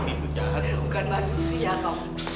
bukan manusia kau